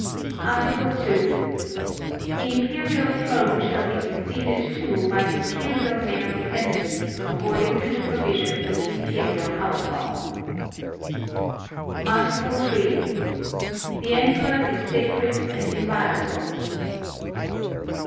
Article 2. The Imperial Throne shall be succeeded to by Imperial male descendants, according to the provisions of the Imperial House Law. Article 3. The Emperor is sacred and inviolable.